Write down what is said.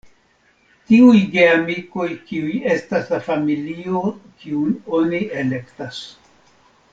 Tiuj geamikoj kiuj estas la familio kiun oni elektas.